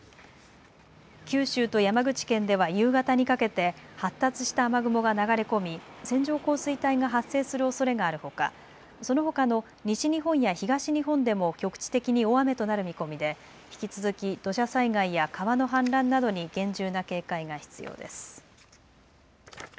九州と山口県では夕方にかけて発達した雨雲が流れ込み線状降水帯が発生するおそれがあるほか、そのほかの西日本や東日本でも局地的に大雨となる見込みで引き続き土砂災害や川の氾濫などに厳重な警戒が必要です。